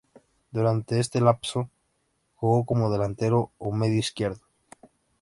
Durante este lapso jugó como delantero o medio izquierdo.